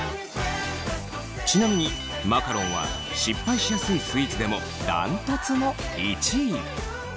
ちなみにマカロンは失敗しやすいスイーツでもダントツの１位。